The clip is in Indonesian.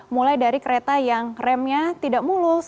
mulai dari kereta yang remnya tidak mulus